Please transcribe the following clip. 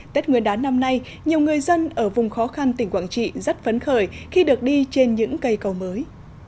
tết nguyên đán năm nay nhiều người dân ở vùng khó khăn tỉnh quảng trị rất phấn khởi khi được đi trên những cây cầu mới